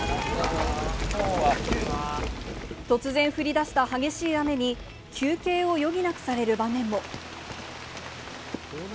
突然降りだした激しい雨に、休憩を余儀なくされる場面も。